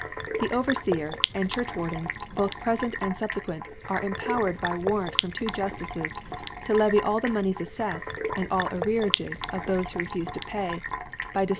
The Overfeers and Churchwardens, both prefent and fublequcnr, are empower ed, by Warrant from two Juftices, to levy all the Monies aflefled, and all Arrearages of thofc who refufe to pay, by Diftref?